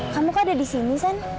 kamu kok ada disini san